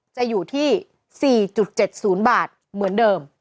จะอยู่ที่๔๗๐บาทเหมือนเดิม